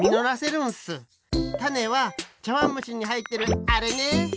タネはちゃわんむしにはいってるあれね！